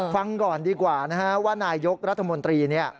ฟังก่อนดีกว่านะฮะว่านายกรัฐมนตรีเนี่ย